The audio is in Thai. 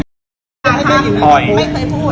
ปล่อยไม่เคยพูด